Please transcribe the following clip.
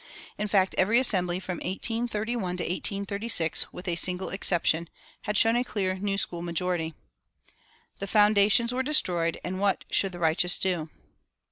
In fact, every Assembly from 1831 to 1836, with a single exception, had shown a clear New School majority. The foundations were destroyed, and what should the righteous do?